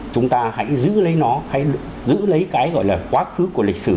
chúng ta hãy giữ lấy nó hay giữ lấy cái gọi là quá khứ của lịch sử